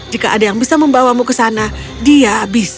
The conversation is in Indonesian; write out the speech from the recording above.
jika ada yang tahu dia akan melakukannya